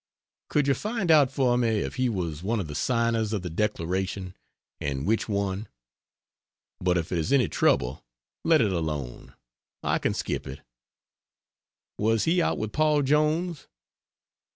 Could you find out for me if he was one of the Signers of the Declaration, and which one? But if it is any trouble, let it alone, I can skip it. Was he out with Paul Jones?